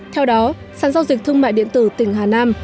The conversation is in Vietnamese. theo đó sản giao dịch thương mại điện tử tỉnh hà nam